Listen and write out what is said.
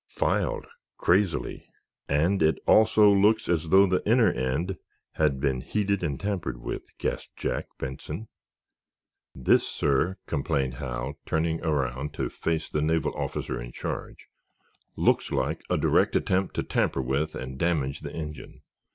"Filed, crazily, and it also looks as though the inner end had been heated and tampered with," gasped Jack Benson. "This, sir," complained Hal, turning around to face the naval officer in charge, "looks like a direct attempt to tamper with and damage the engine.